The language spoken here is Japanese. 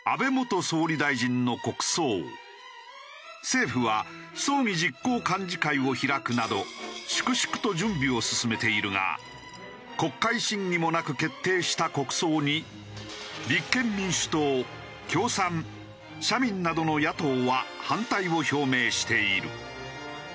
政府は葬儀実行幹事会を開くなど粛々と準備を進めているが国会審議もなく決定した国葬に立憲民主党共産社民などの野党は反対を表明している。